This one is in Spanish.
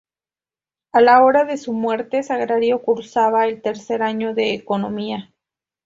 A la hora de su muerte Sagrario cursaba el tercer año de Economía.